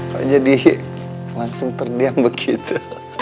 kok jadi langsung terdiam begitu